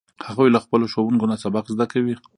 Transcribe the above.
هغوی له خپلو ښوونکو نه سبق زده کوي